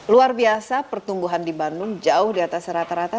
luar biasa pertumbuhan di bandung jauh di atas rata rata